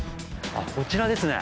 こちらですね！